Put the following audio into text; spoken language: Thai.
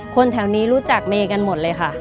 คนแถวนี้รู้จักเมย์กันหมดเลยค่ะ